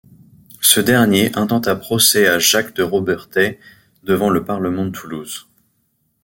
Ce dernier intenta procès à Jacques de Robertet devant le parlement de Toulouse.